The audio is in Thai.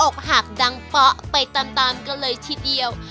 อกหักดังเป๊ะไปตามกันเลยทีเดียว